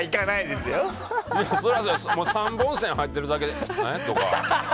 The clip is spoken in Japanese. ３本線入ってるだけであれ？とか。